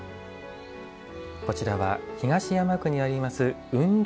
こちらは、東山区にあります雲龍